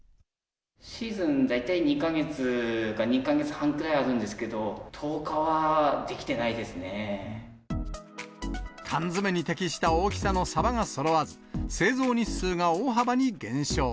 シーズン大体２か月か２か月半くらいあるんですけど、缶詰に適した大きさのサバがそろわず、製造日数が大幅に減少。